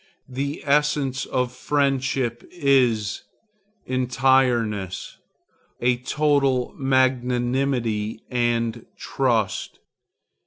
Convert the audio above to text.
The essence of friendship is entireness, a total magnanimity and trust.